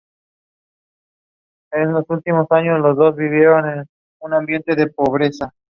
She was frequently late to her required duties around the convent.